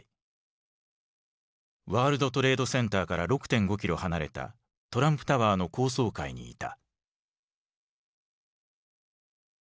ワールドトレードセンターから６．５キロ離れたトランプタワーの高層階にいた。